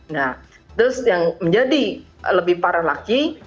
nah terus yang menjadi lebih paralaki